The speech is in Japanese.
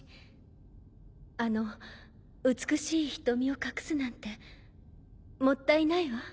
あの美しい瞳を隠すなんてもったいないわ。